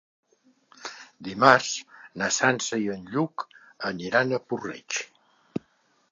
Dimarts na Sança i en Lluc aniran a Puig-reig.